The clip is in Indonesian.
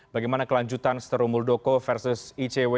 bagaimana kelanjutan steru muldoko versus icw